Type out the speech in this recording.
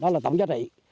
đó là tổng giá trị